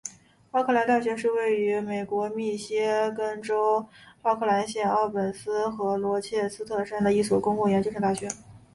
奥克兰大学是位于美国密歇根州奥克兰县奥本山和罗切斯特山的一所公立研究型大学。